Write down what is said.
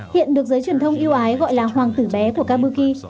hiện được giới truyền thông yêu ái gọi là hoàng tử bé của kabuki